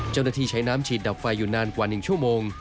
เจ้าหน้าที่ใช้น้ำฉีดดับไฟอยู่นานกว่า๑ชั่วโมง